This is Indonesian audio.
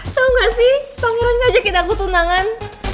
tau gak sih pangeran ngajakin aku tunangan